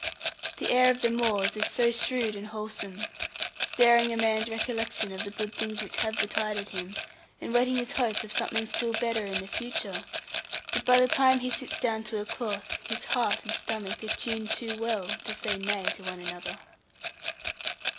The air of the moors is so shrewd and wholesome, stirring a man's recollection of the good things which have betided him, and whetting his hope of something still better in the future, that by the time he sits down to a cloth, his heart and stomach are tuned too well to say 'nay' to one another.